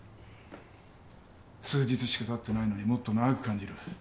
数日しかたってないのにもっと長く感じる。